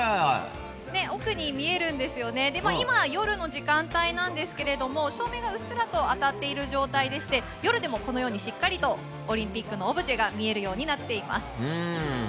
奥に見えるんですけど今、夜の時間帯なんですけれども照明がうっすらと当たっている状態でして夜でもしっかりとオリンピックのオブジェが見えるようになっています。